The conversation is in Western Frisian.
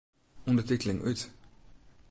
Undertiteling út.